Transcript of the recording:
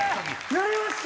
やりました！